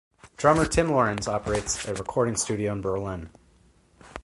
Drummer Tim Lorenz operates a recording studio in Berlin.